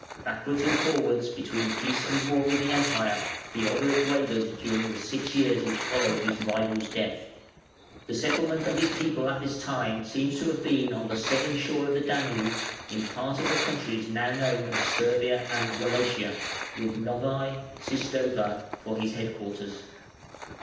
(481 487) Backwards and forwards between peace and war with the Empire, Theodoric wavered during the six years which followed his rival's death. The settlement of his people at this time seems to have been on the southern shore of the Danube, in part of the countries now known as Servia and Wallachia, with Novæ (Sistova) for his headquarters.